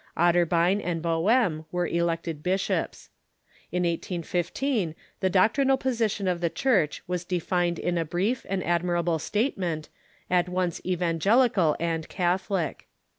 Otterbein and Boehm were elected bishops. In 1815 the doctrinal position of the Church was defined in a brief and admirable statement, at once evan gelical and catholic.